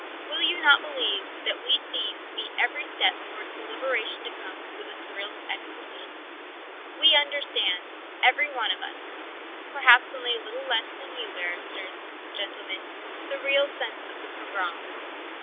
Will you not believe that we thieves meet every step towards the liberation to come with a thrill of ecstasy? "We understand, every one of us perhaps only a little less than you barristers, gentlemen the real sense of the pogroms.